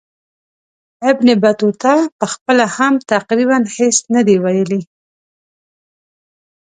ابن بطوطه پخپله هم تقریبا هیڅ نه دي ویلي.